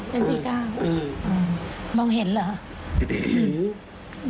เป็นที่เข้ามองเห็นแล้ว